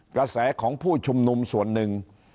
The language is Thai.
กระแสของผู้ชุมนุมส่วนหนึ่ง